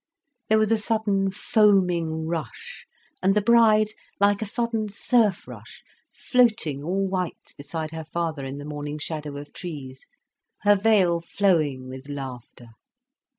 There was a sudden foaming rush, and the bride like a sudden surf rush, floating all white beside her father in the morning shadow of trees, her veil flowing with laughter.